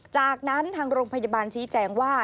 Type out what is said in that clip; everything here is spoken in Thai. จากนั้นทางโรงพยาบาลชี้แจงว่า